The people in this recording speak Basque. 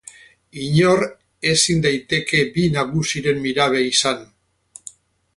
Inor ezin daiteke bi nagusiren mirabe izan.